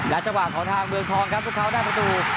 และจังหวัดของทางเมืองทองครับเพื่อเขาได้ประตู